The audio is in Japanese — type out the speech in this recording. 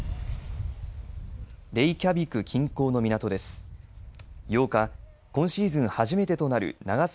レイキャビク近郊の港です。